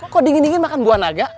kok dingin dingin makan buah naga